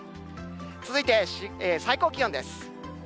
続いて最高気温です。